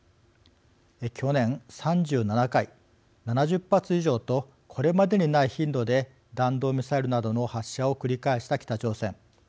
去年、３７回、７０発以上とこれまでにない頻度で弾道ミサイルなどの発射を繰り返した北朝鮮。